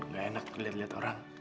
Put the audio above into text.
gak enak liat liat orang